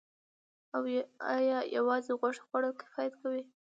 ایا یوازې غوښه خوړل کفایت کوي